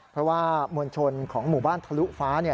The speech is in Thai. เพราะว่ามวลชนของหมู่บ้านทะลุฟ้า